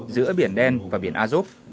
giữa biển đen và biển azov